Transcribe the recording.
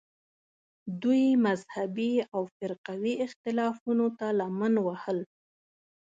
دوی مذهبي او فرقوي اختلافونو ته لمن وهل